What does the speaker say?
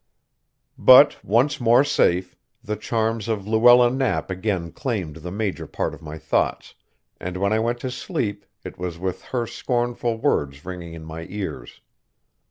But, once more safe, the charms of Luella Knapp again claimed the major part of my thoughts, and when I went to sleep it was with her scornful words ringing in my ears.